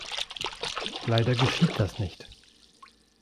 Leider geschieht das nicht.